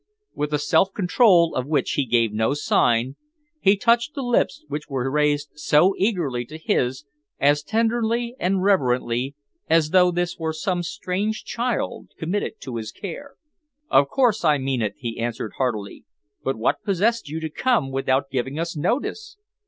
With a self control of which he gave no sign, he touched the lips which were raised so eagerly to his as tenderly and reverently as though this were some strange child committed to his care. "Of course I mean it," he answered heartily. "But what possessed you to come without giving us notice?